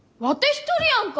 一人やんか！